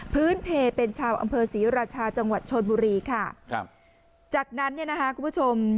เพลเป็นชาวอำเภอศรีราชาจังหวัดชนบุรีค่ะครับจากนั้นเนี่ยนะคะคุณผู้ชม